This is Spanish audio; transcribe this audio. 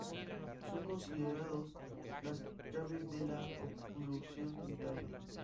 Son considerados las "llaves de la oclusión dentaria".